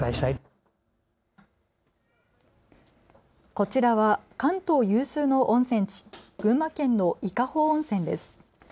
こちらは関東有数の温泉地、群馬県の伊香保温泉です。